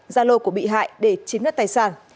gia lô của bị hại để chiếm đất tài sản